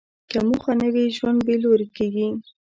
که موخه نه وي، ژوند بېلوري کېږي.